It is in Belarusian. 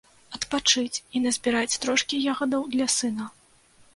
Адпачыць і назбіраць трошкі ягадаў для сына.